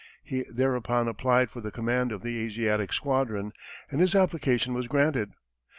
He thereupon applied for the command of the Asiatic squadron, and his application was granted.